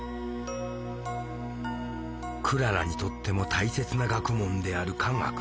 クララにとっても大切な学問である「化学」。